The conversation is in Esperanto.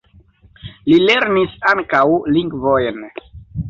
Li lernis ankaŭ lingvojn.